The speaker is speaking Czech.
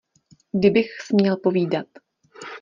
Kdybych směl povídat!